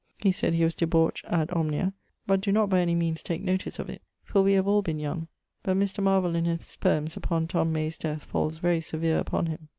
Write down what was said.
he said he was debaucht ad omnia: but doe not by any meanes take notice of it for we have all been young. But Mr. Marvel in his poems upon Tom May's death falls very severe upon him.